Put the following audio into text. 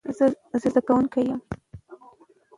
زه زدکونکې ېم